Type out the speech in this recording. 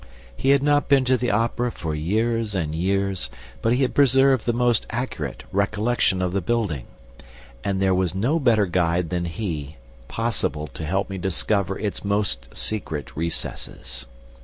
He had not been to the Opera for years and years, but he had preserved the most accurate recollection of the building, and there was no better guide than he possible to help me discover its most secret recesses.